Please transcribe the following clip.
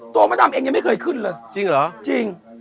ตัวบะดำเองยังไม่เคยขึ้นมาจริงหรือ